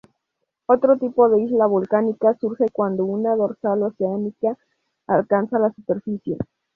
Otro tipo de isla volcánica surge cuando una dorsal oceánica alcanza la superficie.